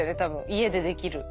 家でできる。